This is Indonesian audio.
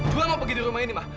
juan mau pergi di rumah ini ma